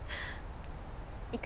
行く？